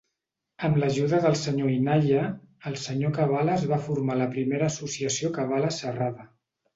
Amb l'ajuda del senyor Inayha, el senyor Cabales va formar la primera associació Cabales Serrada.